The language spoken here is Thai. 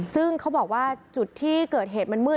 ซึ่งเขาบอกว่าจุดที่เกิดเหตุมันมืด